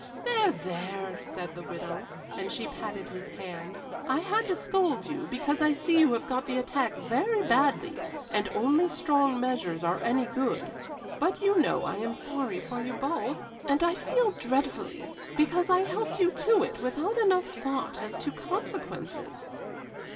"There, there!" said the widow, and she patted his hand. "I had to scold you, because I see you have got the attack very badly and only strong measures are any good; but you know I am sorry for you both, and feel dreadfully, because I helped you to it without enough thought as to consequences."